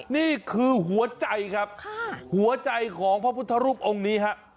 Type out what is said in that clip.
นี่คือหัวใจครับหัวใจของพระพุทธรูปองค์นี้ฮะ